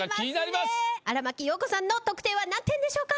荒牧陽子さんの得点は何点でしょうか？